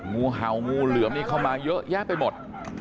งูเห่างูเหลือมนี่เข้ามาเยอะแยะไปหมด